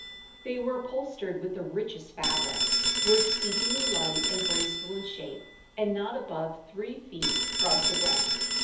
They were upholstered with the richest fabrics, were exceedingly light and graceful in shape, and not above three feet from the ground.